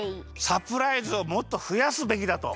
サプライズをもっとふやすべきだと。